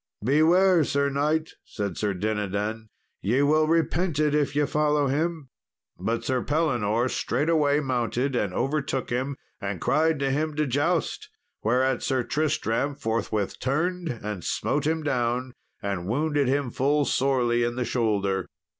"Beware, Sir knight," said Sir Dinadan, "ye will repent it if ye follow him." But Sir Pellinore straightway mounted and overtook him, and cried to him to joust; whereat Sir Tristram forthwith turned and smote him down, and wounded him full sorely in the shoulder.